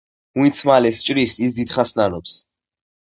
ვინც მალე სჭრის, ის დიდხანს ნანობს